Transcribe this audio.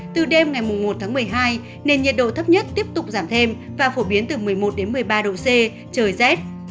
từ đêm ngày một tháng một mươi hai nền nhiệt độ thấp nhất tiếp tục giảm thêm và phổ biến từ một mươi một một mươi ba độ c trời rét